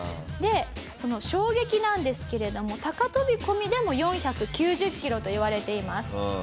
でその衝撃なんですけれども高飛込でも４９０キロといわれています。